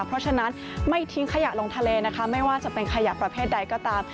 เพราะฉะนั้นไม่ทิ้งขยะลงทะเลนะคะไม่ว่าจะเป็นขยะประเภทใดก็ตาม